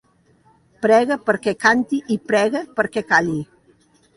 Pregar perquè canti i pregar perquè calli.